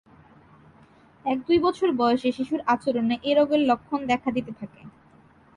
এক-দুই বছর বয়সে শিশুর আচরণে এ রোগের লক্ষণ দেখা দিতে থাকে।